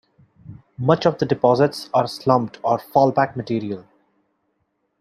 Much of the deposits are slumped or fall-back material.